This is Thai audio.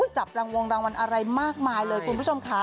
จับรังวงรางวัลอะไรมากมายเลยคุณผู้ชมค่ะ